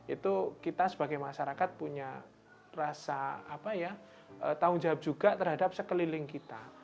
itu kita sebagai masyarakat punya rasa tanggung jawab juga terhadap sekeliling kita